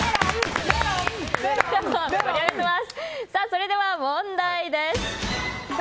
それでは問題です。